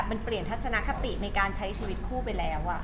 ก็โอเครับรู้ว่าเขาอยู่ในฐานะดูแลพี่เป๊ะนะอะไรอย่างนี้ค่ะ